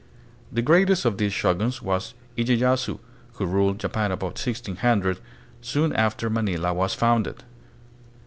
The greatest of these shoguns was lyeyasu, who ruled Japan about 1600, soon after Manila was founded.